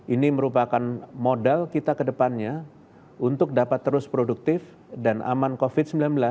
ini merupakan modal kita ke depannya untuk dapat terus produktif dan aman covid sembilan belas